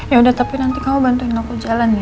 yaudah tapi nanti kamu bantuin aku jalan ya